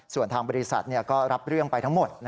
ส่วนทางบริษัทก็รับเรื่องไปทั้งหมด